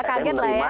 gak kaget lah ya